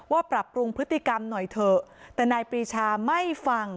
ปรับปรุงพฤติกรรมหน่อยเถอะแต่นายปรีชาไม่ฟัง